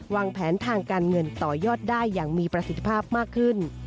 วางแผนทางการเงินต่อยอดได้อย่างมีประสิทธิภาพมากขึ้น